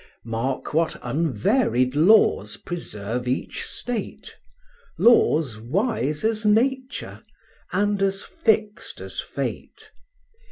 Mark what unvaried laws preserve each state, Laws wise as nature, and as fixed as fate.